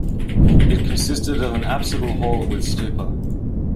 It consisted of an apsidal hall with stupa.